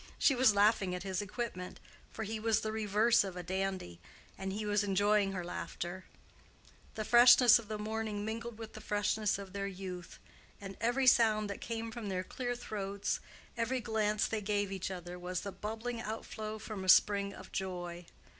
She was laughing at his equipment, for he was the reverse of a dandy, and he was enjoying her laughter; the freshness of the morning mingled with the freshness of their youth; and every sound that came from their clear throats, every glance they gave each other, was the bubbling outflow from a spring of joy.